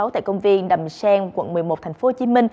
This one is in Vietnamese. tại công viên đầm sen quận một mươi một tp hcm